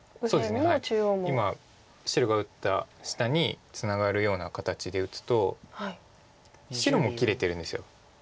今白が打った下にツナがるような形で打つと白も切れてるんです。